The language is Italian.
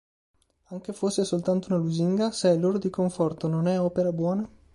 Anche fosse soltanto una lusinga, se è loro di conforto, non è opera buona?